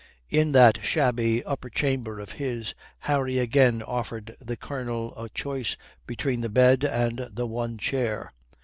In that shabby upper chamber of his, Harry again offered the Colonel a choice between the bed and the one chair.